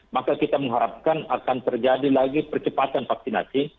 maka kita mengharapkan akan terjadi lagi percepatan vaksinasi